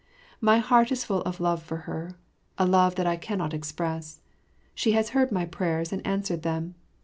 My heart is full of love for her, of a love that I cannot express. She has heard my prayers and answered them.